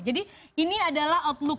jadi ini adalah outlook